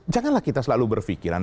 janganlah kita selalu berpikiran